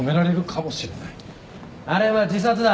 あれは自殺だ。